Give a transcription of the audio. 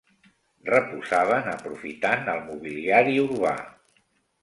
Reposaven aprofitant el mobiliari urbà.